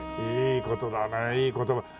いい事だねいい言葉。